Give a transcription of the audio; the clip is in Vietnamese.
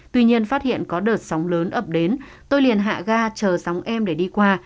tuy nhiên phát hiện có đợt sóng lớn ập đến tôi liền hạ ga chờ sóng em để đi qua